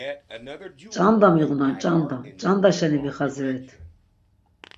Ç̌anda miğunan ç̌anda, ç̌anda şeni vixadziret.